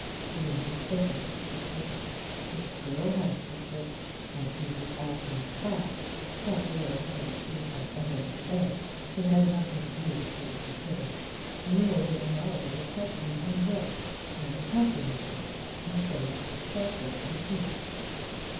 "You are mistaken," said she; "if the girl had a secret as nearly all girls have, brought low as she has evidently been it had nothing to do with her disappearance, nor would a knowledge of it help you in any way. I am confident of this and so shall hold my peace."